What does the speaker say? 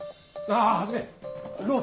ああ。